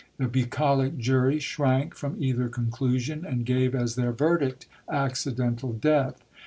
The bucolic jury shrank from either conclusion, and gave as their verdict "accidental death."